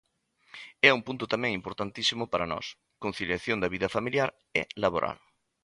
E un punto tamén importantísimo para nós, conciliación da vida familiar e laboral.